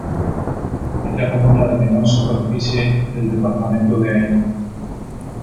Es la comuna de menor superficie del departamento de Ain.